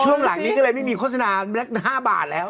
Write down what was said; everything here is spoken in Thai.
หลังนี้ก็เลยไม่มีโฆษณา๕บาทแล้ว